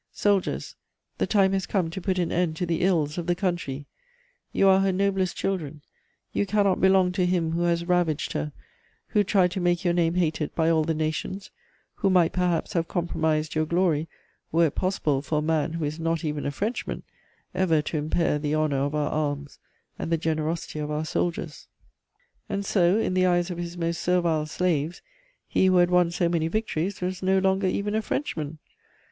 Soldiers, the time has come to put an end to the ills of the country. You are her noblest children; you cannot belong to him who has ravaged her, who tried to make your name hated by all the nations, who might perhaps have compromised your glory, were it possible for a man WHO IS NOT EVEN A FRENCHMAN ever to impair the honour of our arms and the generosity of our soldiers." And so, in the eyes of his most servile slaves, he who had won so many victories was no longer "even a Frenchman"!